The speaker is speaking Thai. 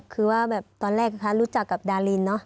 คือว่าตอนแรกรู้จักกับดาริน